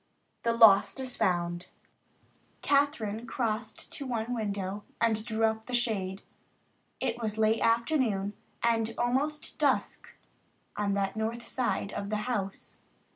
THE LOST IS FOUND Kathryn crossed to the one window and drew up the shade. It was late afternoon and almost dusk on that north side of the house.